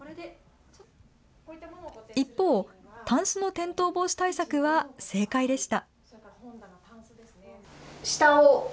一方、たんすの転倒防止対策は正解でした。